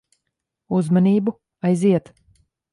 Uzmanību. Aiziet.